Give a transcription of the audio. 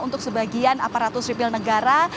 untuk sebagian aparatus repil negara